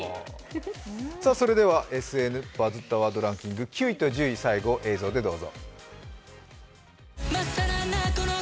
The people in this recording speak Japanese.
それでは「バズったワードランキング」、９位と１０位を最後、映像でどうぞ。